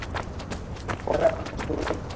এ ধরনের বর্ণনা শুদ্ধ বলে বিবেচিত হয় না।